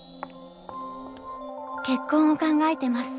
結婚を考えてます。